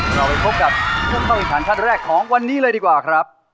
เราไปพบกับเจ้าเข้าอีกฐานแรกของวันนี้เลยดีกว่าครับ